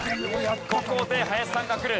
ここで林さんがくる。